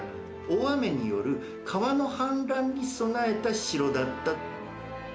大雨による川の氾濫に備えた城だった。